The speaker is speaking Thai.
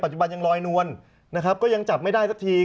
จุบันยังลอยนวลนะครับก็ยังจับไม่ได้สักที